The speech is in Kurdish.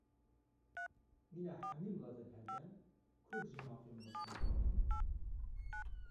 Mîna hemî miletên hevdem, Kurd jî mafê milletbûnê dixwazin